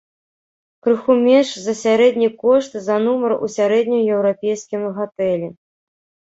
Крыху менш за сярэдні кошт за нумар у сярэднім еўрапейскім гатэлі.